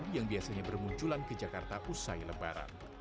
yang biasanya bermunculan ke jakarta usai lebaran